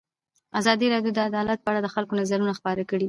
ازادي راډیو د عدالت په اړه د خلکو نظرونه خپاره کړي.